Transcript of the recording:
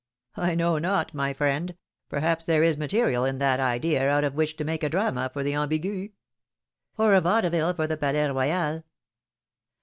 I know not, my friend ; perhaps there is material in that idea out of which to make a drama for the Ambigu —" ^^Or a vaudeville for the Palais Royal